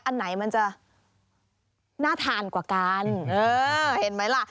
อันไหนมันจะน่าทานกว่ากันเออเห็นไหมล่ะ